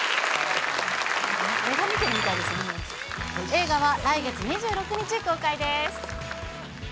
映画は来月２６日公開です。